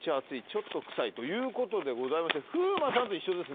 「ちょっと臭い」ということでございまして風磨さんと一緒ですね。